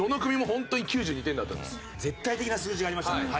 絶対的な数字がありましたから。